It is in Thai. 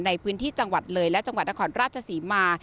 ในพื้นที่จังหวัดเลยและจังหวัดนครราชศรีมา